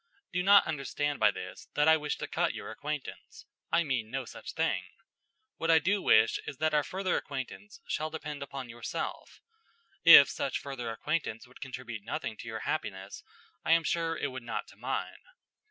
Do not understand by this that I wish to cut your acquaintance. I mean no such thing. What I do wish is that our further acquaintance shall depend upon yourself. If such further acquaintance would contribute nothing to your happiness, I am sure it would not to mine.